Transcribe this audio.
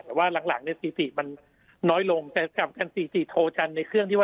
แต่ว่าหลังหลังเนี่ยสถิติมันน้อยลงแต่กลับกันสิติโทจันทร์ในเครื่องที่ว่า